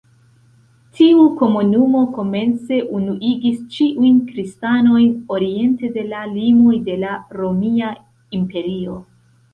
Tiu komunumo komence unuigis ĉiujn kristanojn oriente de la limoj de la Romia Imperio.